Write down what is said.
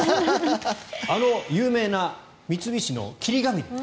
あの有名な三菱の霧ヶ峰。